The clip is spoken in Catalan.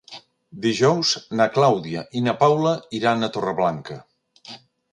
Dijous na Clàudia i na Paula iran a Torreblanca.